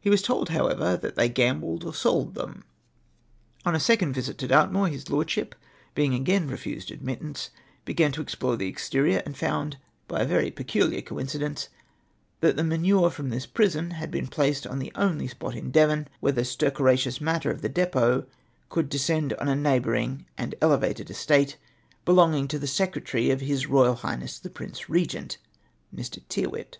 He was told, liowever, that the}^ gambled or sold them. On his second visit to Dartmoor his Lordship, being again refused admittance, began to explore the exterior, and found, by a very peculiar coincidence, that the manure from this prison had been placed on the only spot in Devon whence the stercoraceous matter of the depot could descend on a neighbouring and elevated estate belonging to the Secretary of His Eoyal Highness the Prince Eegent (jNIr. Tyrwhitt).